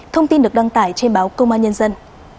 thông tin được đăng tải trên báo công an nhân dân